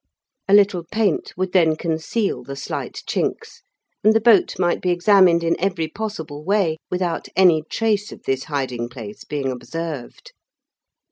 A little paint would then conceal the slight chinks, and the boat might be examined in every possible way without any trace of this hiding place being observed.